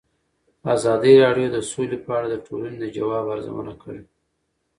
ازادي راډیو د سوله په اړه د ټولنې د ځواب ارزونه کړې.